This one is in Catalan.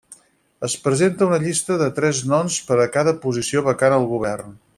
Es presenta una llista de tres noms per a cada posició vacant al Govern.